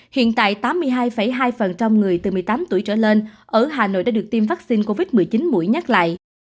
hiện tại tám mươi hai hai người từ một mươi tám tuổi trở lên ở hà nội đã được tiêm vaccine covid một mươi chín mũi nhắc lại